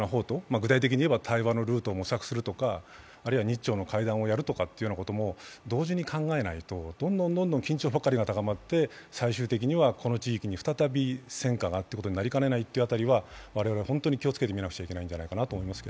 具体的にいえば対話のルートを模索とするか日朝の会談をするとか同時に考えないとどんどん緊張ばかりが高まって最終的にはこの地域に再び、戦火がというのになりかねないというあたりは我々本当に気をつけてみなきゃいけないと思います。